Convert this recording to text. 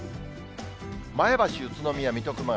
前橋、宇都宮、水戸、熊谷。